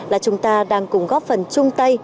là chúng ta đang cùng góp phần chung tay